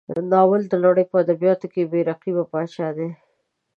ناول د نړۍ په ادبیاتو کې بې رقیبه پاچا دی.